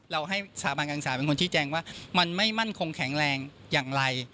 เราให้สถาบันการศึกษาเป็นคนชี้แจงว่ามันไม่มั่นคงแข็งแรงอย่างไร